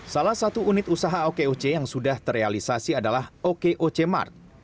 salah satu unit usaha okoc yang sudah terrealisasi adalah okoc mart